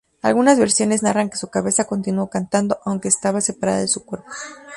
Algunas versiones narran que su cabeza continuó cantando aunque estaba separada de su cuerpo.